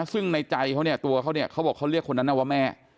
ซึ่งในใจเขาเนี่ยตัวเขาเนี่ยเขาบอกเขาเรียกคนนั้นนะว่าแม่